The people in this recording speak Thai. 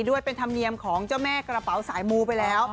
ด้วยเป็นธรรมเนียมของเจ้าแม่กระเป๋าสายมูไปแล้ว